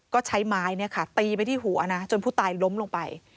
ก็ใช้ไม้ตีไปที่หัวนะจนผู้ตายล้มลงไป